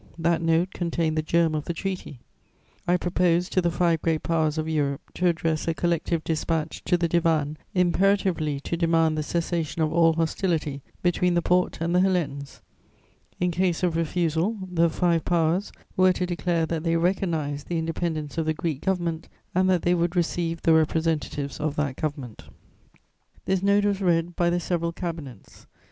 That Note contained the germ of the treaty: I proposed to the five Great Powers of Europe to address a collective dispatch to the Divan imperatively to demand the cessation of all hostility between the Porte and the Hellenes. In case of refusal, the five Powers were to declare that they recognised the independence of the Greek Government and that they would receive the representatives of that Government. "This Note was read by the several Cabinets.